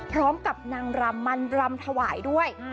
พร้อมกับนางรำมันรำถวายด้วย